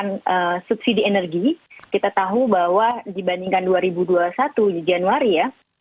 dengan subsidi energi kita tahu bahwa dibandingkan dua ribu dua puluh satu di januari ya